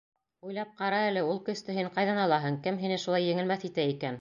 Уйлап ҡара әле, ул көстө һин ҡайҙан алаһың, кем һине шулай еңелмәҫ итә икән?